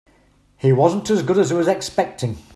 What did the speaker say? He wasn't as good as I was expecting.